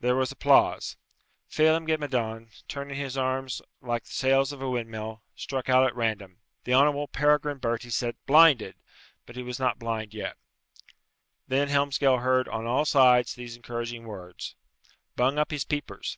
There was applause. Phelem ghe Madone, turning his arms like the sails of a windmill, struck out at random. The Honourable Peregrine Bertie said, "Blinded;" but he was not blind yet. Then Helmsgail heard on all sides these encouraging words, "Bung up his peepers!"